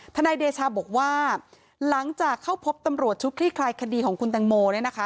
นายเดชาบอกว่าหลังจากเข้าพบตำรวจชุดคลี่คลายคดีของคุณตังโมเนี่ยนะคะ